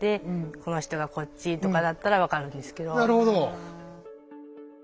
なるほど。